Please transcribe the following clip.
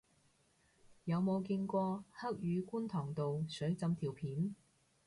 有冇見過黑雨觀塘道水浸條片